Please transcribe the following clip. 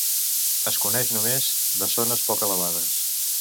Es coneix només de zones poc elevades.